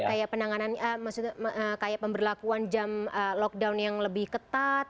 kayak penanganan maksudnya kayak pemberlakuan jam lockdown yang lebih ketat